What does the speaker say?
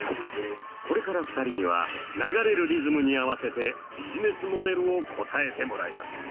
これから２人には流れるリズムに合わせてビジネスモデルを答えてもらいます。